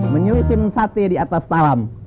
menyusun sate di atas talam